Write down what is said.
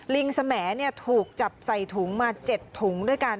ลิงแสมแหมเนี่ยถูกจับใส่ถุงมา๗ถุงด้วยกัน